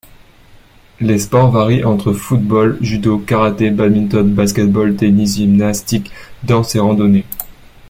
Les sports varient entre football, judo, karaté, badminton, basket-ball, tennis, gymnastique, danse et randonnée.